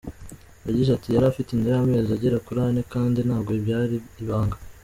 Yagize ati :« Yari afite inda y’amezi agera kuri ane kandi ntabwo byari ibanga.